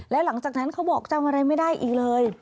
แล้วหลังจากนั้นเขาบอกจำอะไรไม่ได้อีกเลย